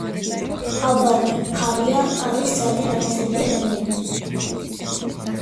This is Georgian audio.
აბატი ფარია არის ძალიან განათლებული ადამიანი.